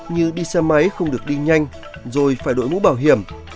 như đi xe máy không được đi nhanh rồi phải đội mũ bảo hiểm